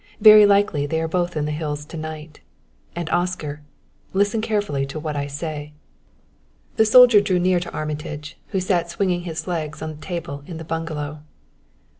Very likely they are both in the hills tonight. And, Oscar, listen carefully to what I say." The soldier drew nearer to Armitage, who sat swinging his legs on the table in the bungalow.